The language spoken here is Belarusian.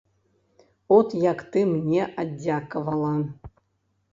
От як ты мне аддзякавала.